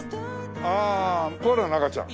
ああコアラの赤ちゃん。